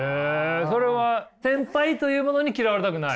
それは先輩というものに嫌われたくない？